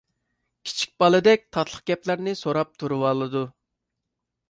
كىچىك بالىدەك تاتلىق گەپلەرنى سوراپ تۇرۇۋالىدۇ.